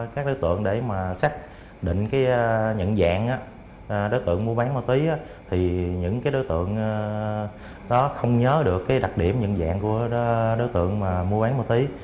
các đối tượng để mà xác định cái nhận dạng đối tượng mua bán ma túy thì những đối tượng đó không nhớ được cái đặc điểm nhận dạng của đối tượng mua bán ma túy